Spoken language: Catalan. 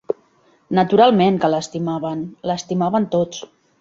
Naturalment que l'estimaven, l'estimaven tots